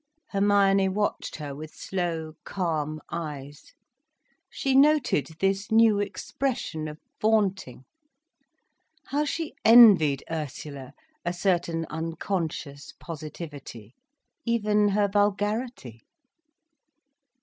Hermione watched her with slow calm eyes. She noted this new expression of vaunting. How she envied Ursula a certain unconscious positivity! even her vulgarity!